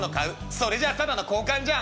「それじゃあただの交換じゃん」。